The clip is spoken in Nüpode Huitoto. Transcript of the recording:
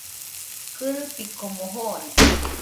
Kɨrɨtikomo joone